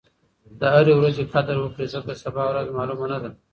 د هرې ورځې قدر وکړئ ځکه سبا ورځ معلومه نه ده.